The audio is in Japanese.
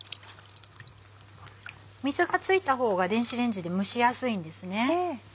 水が付いた方が電子レンジで蒸しやすいんですね。